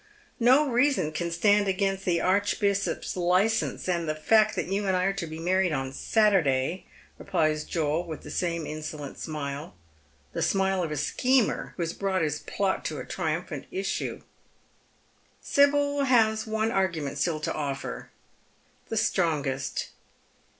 " No reason can stand against the archbishop's licence, and the fact that you and I are to be married on Saturday," replies Joel, with the same insolent smile — the smile of a schemer who haa brought his plot to a triumphant issue. Sibyl has one argument still to offer. The strongest.